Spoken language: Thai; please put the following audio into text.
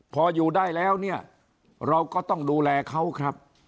พออยู่ได้แล้วเนี่ยเราก็ต้องดูแลเขาครับ